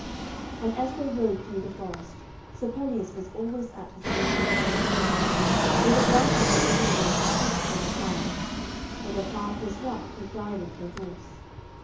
And as they rode through the forest Sir Pelleas was always at his lady's side. When the branches were in her way he pushed them aside, when the path was rough he guided her horse.